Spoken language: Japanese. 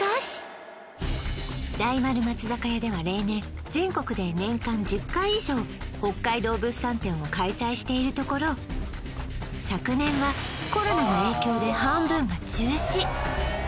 大丸松坂屋では例年全国で年間１０回以上北海道物産展を開催しているところ昨年はコロナの影響で半分が中止